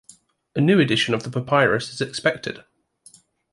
A new edition of the papyrus is expected.